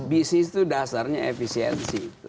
bisnis itu dasarnya efisiensi